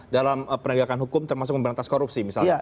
dalam penegakan hukum termasuk memberantas korupsi misalnya